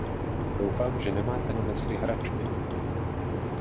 Doufám, že nemáte na mysli hračky!